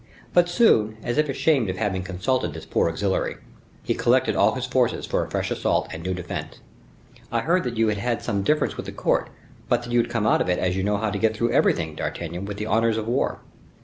But soon, as if ashamed of having consulted this poor auxiliary, he collected all his forces for a fresh assault and new defense. "I heard that you had had some difference with the court, but that you had come out of it as you know how to get through everything, D'Artagnan, with the honors of war."